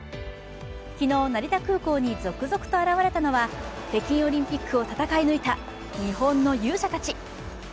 昨日、成田空港に続々と現れたのは北京オリンピックを戦い抜いた日本の勇者たち。